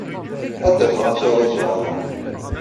Ad d-afeɣ amek ara geɣ aya.